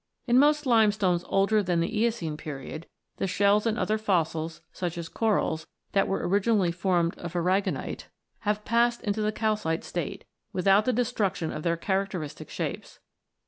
In most limestones older than the Eocene period, the shells and other fossils, such as corals, that were originally formed of aragonite have passed into the calcite state, without the destruction of their characteristic shapes.